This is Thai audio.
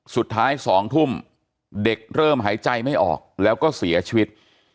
สุดท้าย๒ทุ่มเด็กเริ่มหายใจไม่ออกแล้วก็เสียชีวิต